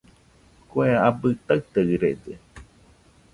Kue abɨ taɨtaɨrede